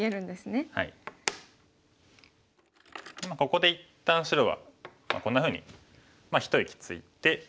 ここで一旦白はこんなふうに一息ついて。